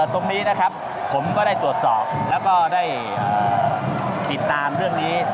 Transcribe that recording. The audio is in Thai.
ตรงนี้นะครับผมก็ได้ตรวจสอบแล้วก็ได้ติดตามเรื่องนี้